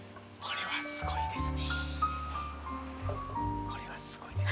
これはすごいです。